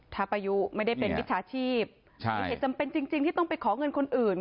ถ้าป้ายุไม่ได้เป็นมิจฉาชีพมีเหตุจำเป็นจริงที่ต้องไปขอเงินคนอื่น